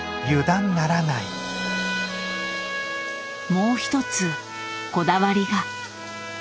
もう一つこだわりが。